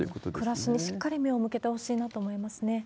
暮らしにしっかり目を向けてほしいなと思いますね。